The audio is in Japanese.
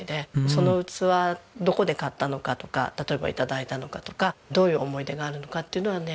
その器どこで買ったのかとか例えば頂いたのかとかどういう思い出があるのかっていうのはね